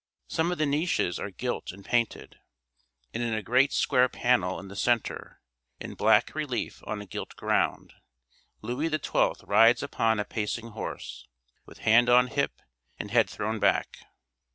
Some of the niches are gilt and painted; and in a great square panel in the centre, in black relief on a gilt ground, Louis XII. rides upon a pacing horse, with hand on hip and head thrown back.